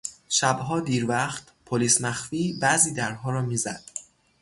شبها دیر وقت پلیس مخفی بعضی درها را میزد.